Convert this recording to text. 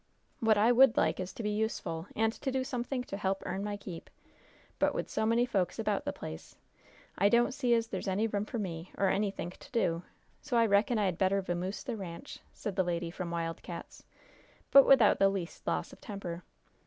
"What I would like is to be useful, and to do somethink to help earn my keep. But, with so many folks about the place. I don't see as there's any room for me, or anythink to do; so I reckon I had better vamoose the ranch," said the lady from Wild Cats', but without the least loss of temper.